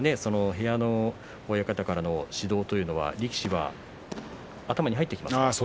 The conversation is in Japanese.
部屋の親方からの指導というのは力士は頭に入っていますか？